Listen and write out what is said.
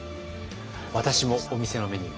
私もお店のメニュー